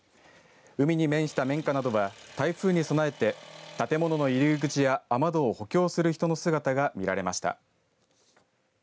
海に面した民家などは台風に備えて建物の入り口や雨戸を補強する人の姿が見られました。